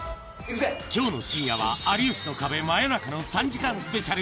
きょうの深夜は有吉の壁真夜中の３時間スペシャル。